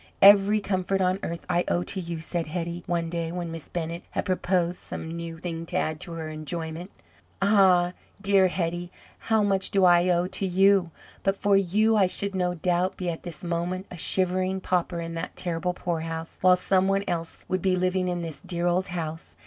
"Every comfort on earth I owe to you," said Hetty, one day, when Miss Bennett had proposed some new thing to add to her enjoyment. "Ah, dear Hetty! how much do I owe to you! But for you, I should, no doubt, be at this moment a shivering pauper in that terrible poorhouse, while some one else would be living in this dear old house.